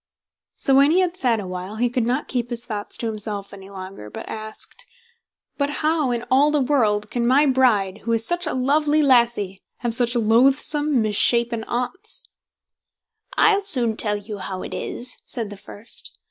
So when he had sat awhile, he could not keep his thoughts to himself any longer, but asked, "But how, in all the world, can my bride, who is such a lovely lassie, have such loathsome, misshapen Aunts?" "I'll soon tell you how it is", said the first.